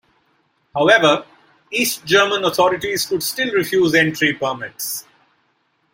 However, East German authorities could still refuse entry permits.